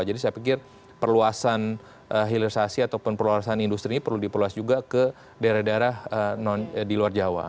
jadi saya pikir perluasan hilirsasi ataupun perluasan industri perlu diperluas juga ke daerah daerah